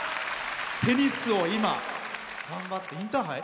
テニスを今、頑張ってインターハイ？